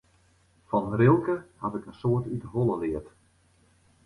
Fan Rilke haw ik in soad út de holle leard.